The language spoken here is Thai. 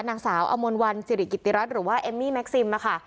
นางสาวอมลวันสิริกิติรัฐหรือว่าเอมมี่แม็กซิมค่ะ